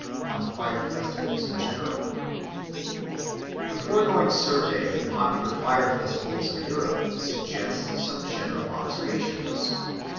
On the Fire festivals in general THE FOREGOING survey of the popular fire festivals of Europe suggests some general observations.